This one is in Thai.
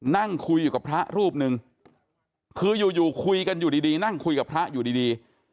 นั่งคุยอยู่กับพระรูปหนึ่งคืออยู่คุยกันอยู่ดีนั่งคุยกับพระอยู่ดี